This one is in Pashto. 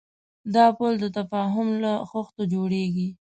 دا پُل د تفاهم له خښتو جوړېږي.